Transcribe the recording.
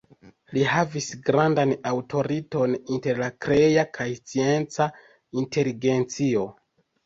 Li havis grandan aŭtoritaton inter la krea kaj scienca inteligencio.